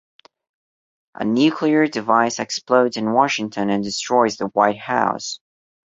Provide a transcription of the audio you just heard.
A nuclear device explodes in Washington and destroys the White House.